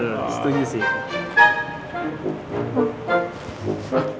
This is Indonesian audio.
benar benar setuju sih